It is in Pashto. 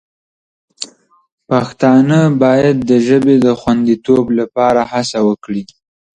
پښتانه باید د ژبې د خوندیتوب لپاره هڅه وکړي.